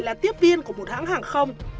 là tiếp viên của một hãng hàng không